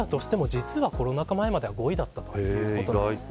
あったとしてもコロナ禍前までは５位だったということなんです。